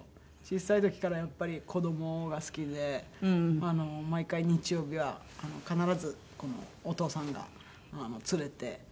小さい時からやっぱり子どもが好きで毎回日曜日は必ずお父さんが連れて。